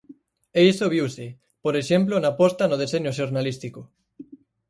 E iso viuse, por exemplo na aposta no deseño xornalístico.